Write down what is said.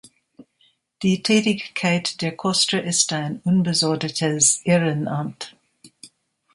Die Tätigkeit der Koster ist ein unbesoldetes Ehrenamt.